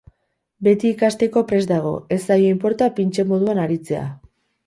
Beti ikasteko prest dago, ez zaio inporta pintxe moduan aritzea.